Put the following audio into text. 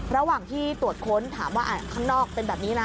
ระหว่างที่ตรวจค้นถามว่าข้างนอกเป็นแบบนี้นะ